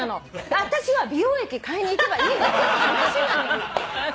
私は美容液買いに行けばいいだけの話なの。